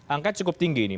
angka cukup tinggi ini